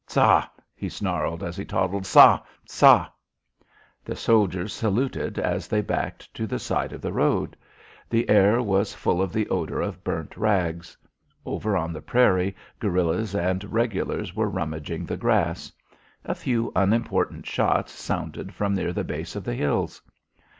"Ca!" he snarled, as he toddled. "Ca! Ca!" The soldiers saluted as they backed to the side of the road. The air was full of the odour of burnt rags. Over on the prairie guerillas and regulars were rummaging the grass. A few unimportant shots sounded from near the base of the hills.